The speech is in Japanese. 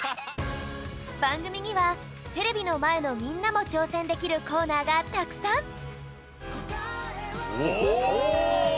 ばんぐみにはテレビのまえのみんなもちょうせんできるコーナーがたくさんおお！